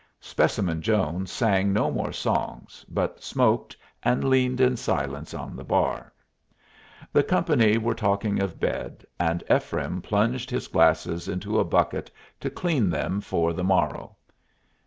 Specimen Jones sang no more songs, but smoked, and leaned in silence on the bar. The company were talking of bed, and Ephraim plunged his glasses into a bucket to clean them for the morrow.